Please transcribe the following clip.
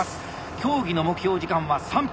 競技の目標時間は３分。